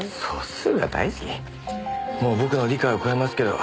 もう僕の理解を超えますけど。